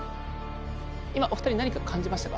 今お二人何か感じましたか？